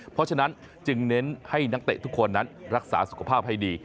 เพราะฉะนั้นจึงเน้นให้นักเตะทุกคนนั้นรักษาสุขภาพให้ดี